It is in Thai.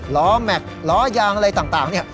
ล้อแม็กซ์ล้อยางอะไรต่างเนี่ย